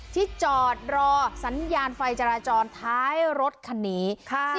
ที่จอดรอสัญญาณไฟจราจรท้ายรถคันนี้